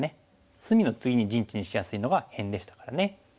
隅の次に陣地にしやすいのが辺でしたからね。